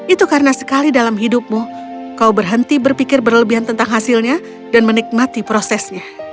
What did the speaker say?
itu karena sekali dalam hidupmu kau berhenti berpikir berlebihan tentang hasilnya dan menikmati prosesnya